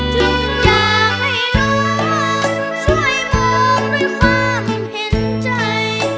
จึงอยากให้น้องช่วยมองด้วยความเห็นใจ